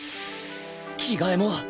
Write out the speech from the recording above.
着替えも